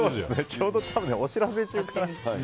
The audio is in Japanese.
ちょうどお知らせ中かな。